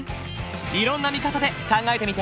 いろんな見方で考えてみて。